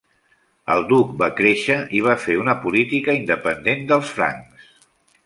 El duc va créixer i va fer una política independent dels francs.